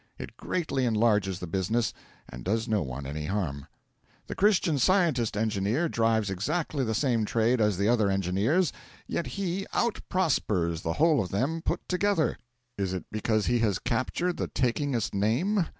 It greatly enlarges the business, and does no one any harm. The Christian Scientist engineer drives exactly the same trade as the other engineers, yet he out prospers the whole of them put together. Is it because he has captured the takingest name?